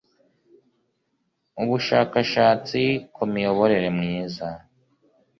ubushakashatsi ku miyoborere myiza